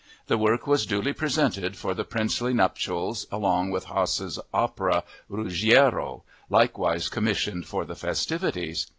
The work was duly presented for the princely nuptials along with Hasse's opera Ruggiero, likewise commissioned for the festivities.